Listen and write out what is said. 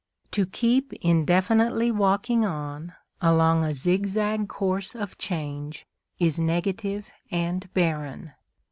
To keep indefinitely walking on, along a zigzag course of change, is negative and barren.